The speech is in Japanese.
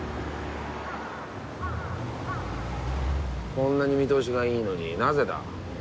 こんなに見通しがいいのになぜだ？